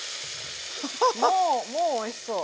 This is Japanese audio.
もうおいしそう！